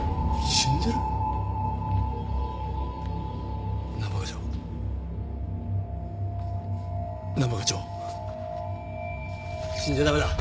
死んじゃ駄目だ。